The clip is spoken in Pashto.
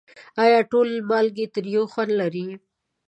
آیا ټولې مالګې تریو خوند لري؟